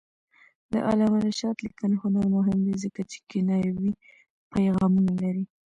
د علامه رشاد لیکنی هنر مهم دی ځکه چې کنایوي پیغامونه لري.